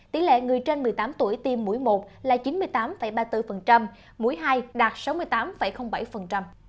tỷ lệ người trên một mươi tám tuổi tiêm mũi một là chín mươi tám ba mươi bốn mũi hai đạt sáu mươi tám bảy